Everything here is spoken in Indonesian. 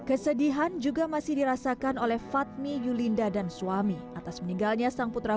kesedihan juga masih dirasakan oleh fatmi yulinda dan suami atas meninggalnya sang putra